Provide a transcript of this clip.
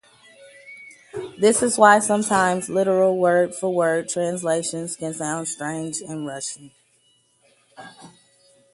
This is why sometimes literal word-for-word translations can sound strange in Russian.